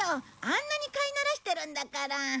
あんなに飼い慣らしてるんだから。